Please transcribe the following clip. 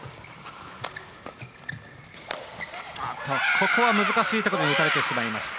ここは難しいところに打たれてしまいました。